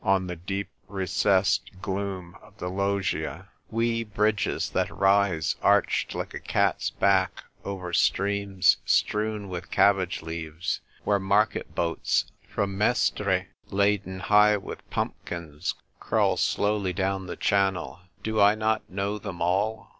225 on the deep recessed gloom of the loggia; wee bridges that rise, arched like a cat's back, over streams strewn with cabbage leaves, where market boats from Meh^tre, laden high with pumpkins, crawl slowly down the channel — do I not know them all